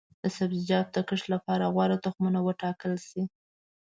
د سبزیجاتو د کښت لپاره غوره تخمونه وټاکل شي.